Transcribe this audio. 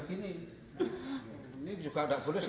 ini juga ada gulus ya